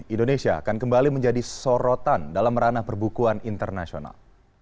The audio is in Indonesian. indonesia akan kembali menjadi sorotan dalam ranah perbukuan internasional